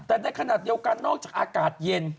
แต่ในขณะเดียวกันนอกจากอากาศเย็น